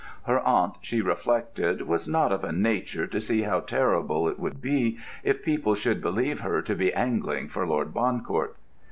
Her aunt, she reflected, was not of a nature to see how terrible it would be if people should believe her to be "angling" for Lord Bancourt.